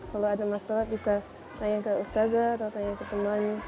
kalau ada masalah bisa tanya ke ustazah atau tanya ke teman